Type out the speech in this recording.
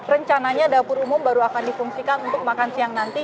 rencananya dapur umum baru akan difungsikan untuk makan siang nanti